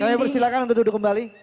kami persilakan untuk duduk kembali